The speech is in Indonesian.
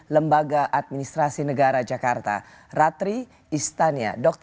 lembaga administrasi negara jakarta ratri istania